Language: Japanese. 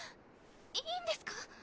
いいんですか？